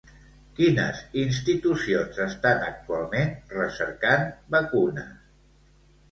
Quines institucions estan actualment recercant vacunes?